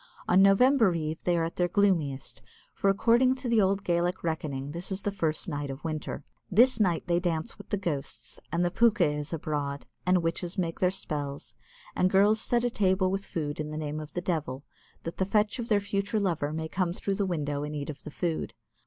On November Eve they are at their gloomiest, for, according to the old Gaelic reckoning, this is the first night of winter. This night they dance with the ghosts, and the pooka is abroad, and witches make their spells, and girls set a table with food in the name of the devil, that the fetch of their future lover may come through the window and eat of the food.